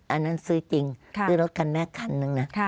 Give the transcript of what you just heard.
อันนั้นซื้อจริงซื้อรถคันแรกคันนึงนะ